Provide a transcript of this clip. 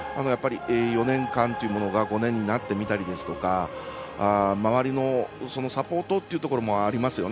４年間というものが５年になってみたりですとか周りのサポートというところもありますよね。